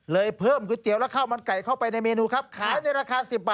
เลยเพิ่มก๋วยเตี๋ยวแล้วข้ามันไก่เข้าไปในเมนูครับ